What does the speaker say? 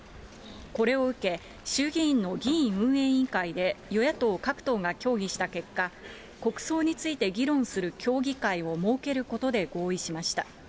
これを受け、衆議院の議院運営委員会で、与野党各党が協議した結果、国葬について議論する協議会を設けることで合意しました。